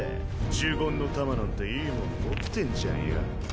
「呪言の玉」なんていいもん持ってんじゃんよ。